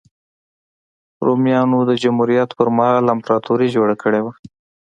رومیانو د جمهوریت پرمهال امپراتوري جوړه کړې وه.